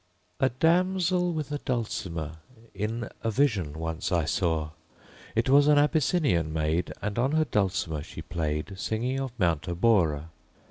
A damsel with a dulcimer In a vision once I saw: It was an Abyssinian maid, And on her dulcimer she played, Singing of Mount Abora.